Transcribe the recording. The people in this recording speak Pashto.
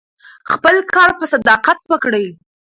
خپل کار په صداقت وکړئ.